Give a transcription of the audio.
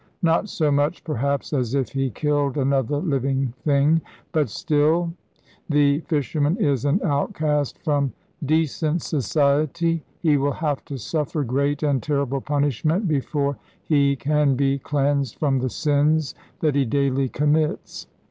Not so much, perhaps, as if he killed other living things, but still, the fisherman is an outcast from decent society. He will have to suffer great and terrible punishment before he can be cleansed from the sins that he daily commits.